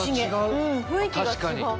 雰囲気が違う。